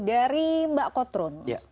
dari mbak kotron